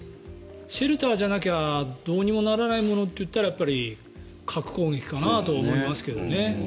シェルターじゃなきゃどうにもならないものといったらやっぱり核攻撃かなと思いますけどね。